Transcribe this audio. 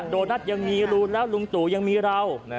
โดนัทยังมีรูแล้วลุงตู่ยังมีเรา